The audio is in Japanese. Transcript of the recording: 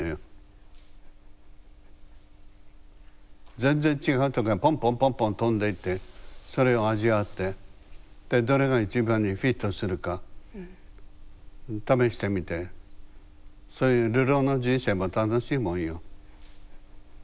全然違うとこへポンポンポンポン飛んでいってそれを味わってでどれが一番にフィットするか試してみてそういうはい。